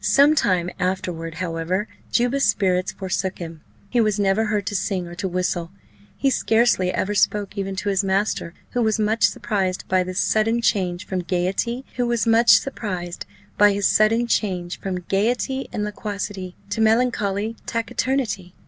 Some time afterward, however, Juba's spirits forsook him; he was never heard to sing or to whistle, he scarcely ever spoke even to his master, who was much surprised by this sudden change from gaiety and loquacity to melancholy taciturnity.